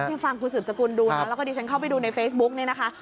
ที่ฟังคุณสืบสกุลดูนะแล้วก็ดิฉันเข้าไปดูในเฟซบุ๊กเนี่ยนะคะ